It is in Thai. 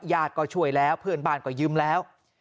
ก็ช่วยแล้วเพื่อนบ้านก็ยืมแล้ว